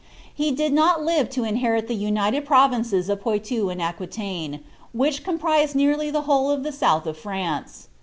He did not live to inherit the united provinces of Poitou and Aquitaine, which comprised nearly the whole of the south of France.